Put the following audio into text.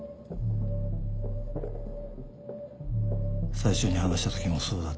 最初に話したときもそうだった。